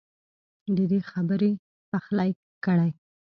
ددې خبر پخلی کړی